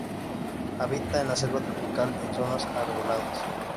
Habita en la selva tropical, en zonas arboladas.